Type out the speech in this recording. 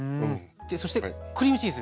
そしてクリームチーズ。